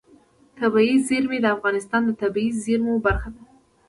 طبیعي زیرمې د افغانستان د طبیعي زیرمو برخه ده.